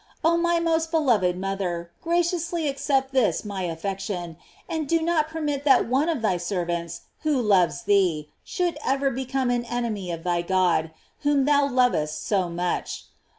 Oh my most beloved mother, graciously accept this my affection, and do not permit that one of tky ser vants, who loves thee, should ever become an en emy of thy God, whom thou lovest so much.